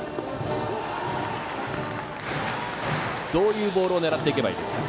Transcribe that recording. どういうボールを狙っていけばいいですか。